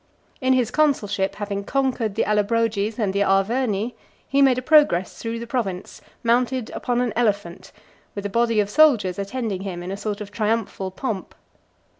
In his consulship , having conquered the Allobroges and the Arverni , he made a progress through the province, mounted upon an elephant, with a body of soldiers attending him, in a sort of triumphal pomp.